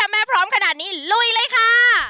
โอเคถ้าแม่พร้อมขนาดนี้ลุยเลยค่ะ